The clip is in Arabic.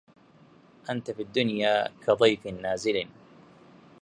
أنت في الدنيا كضيف نازل